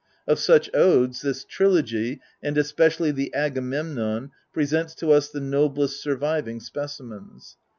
Of such Odes, this Trilogy, and especially the Agamemnon^ presents to us the noblest surviving specimens.